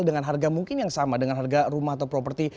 dengan harga mungkin yang sama dengan harga rumah atau properti